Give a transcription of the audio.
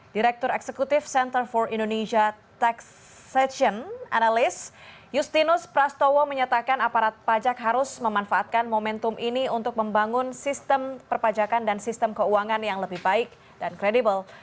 direktur eksekutif center for indonesia tax section analyst justinus prastowo menyatakan aparat pajak harus memanfaatkan momentum ini untuk membangun sistem perpajakan dan sistem keuangan yang lebih baik dan kredibel